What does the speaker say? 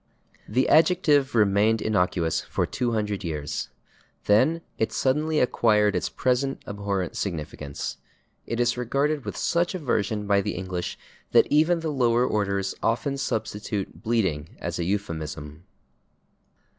The adjective remained innocuous for 200 years. Then it suddenly acquired its present abhorrent significance. It is regarded with such aversion by the English that even the lower orders often substitute /bleeding/ as a euphemism.